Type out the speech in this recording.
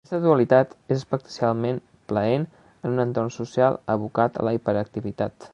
Aquesta dualitat és especialment plaent en un entorn social abocat a la hiperactivitat.